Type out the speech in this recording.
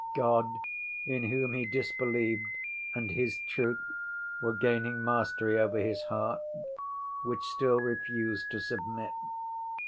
God, in Whom he disbelieved, and His truth were gaining mastery over his heart, which still refused to submit.